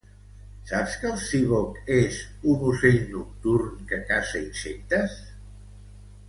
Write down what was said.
Saps que el siboc és un ocell nocturn que caça insectes?